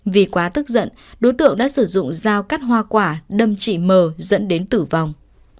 vì quá tức giận đối tượng đã sử dụng dao cắt hoa quả đâm chị mờ dẫn đến tử vong